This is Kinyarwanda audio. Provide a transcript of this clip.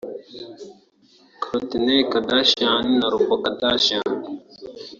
Kourtney Kardashian na Rob Kardashian